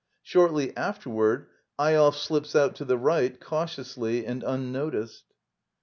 Shortly afterward, Eyolf ^ slips out to the right, cautiously and unnoticed.